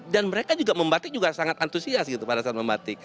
dan mereka juga membatik sangat antusias pada saat membatik